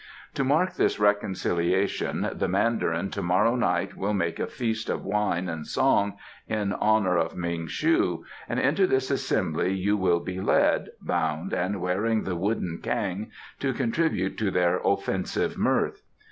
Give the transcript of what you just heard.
To mark this reconciliation the Mandarin to morrow night will make a feast of wine and song in honour of Ming shu and into this assembly you will be led, bound and wearing the wooden cang, to contribute to their offensive mirth.